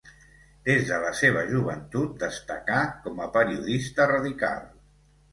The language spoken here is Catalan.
Des de la seva joventut destacà com a periodista radical.